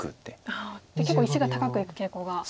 結構石が高くいく傾向があると。